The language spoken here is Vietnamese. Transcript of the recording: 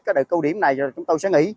cái đợt câu điểm này rồi chúng tôi sẽ nghỉ